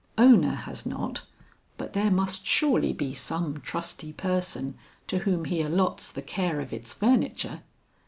Ona has not, but there must surely be some trusty person to whom he allots the care of its furniture.